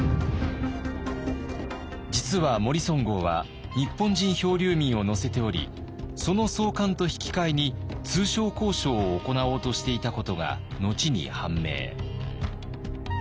実はモリソン号は日本人漂流民を乗せておりその送還と引き換えに通商交渉を行おうとしていたことが後に判明。